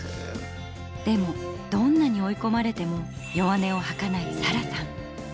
でもどんなに追いこまれても弱音を吐かないサラさん。